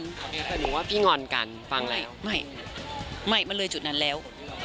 แต่หนูว่าพี่งอนกันฟังแล้ว